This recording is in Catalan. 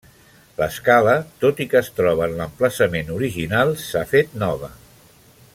L'escala, tot i que es troba en l'emplaçament original, s'ha fet nova.